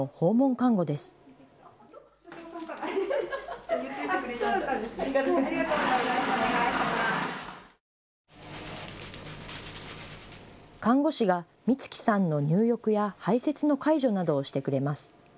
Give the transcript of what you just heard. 看護師が光来さんの入浴や排せつの介助などをしてくれます。